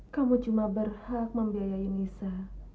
kamu cuma berhak membiayai nisa